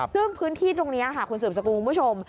ซึ่งพื้นที่ตรงนี้ค่ะคุณสืบสกุลคุณผู้ชม